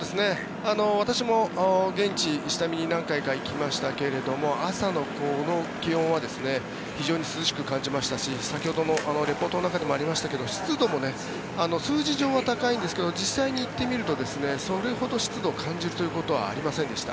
私も現地、下見に何回か行きましたけれども朝のこの気温は非常に涼しく感じましたし先ほどのリポートの中にもありましたけど湿度も数字上は高いんですが実際に行ってみるとそれほど湿度を感じることはありませんでした。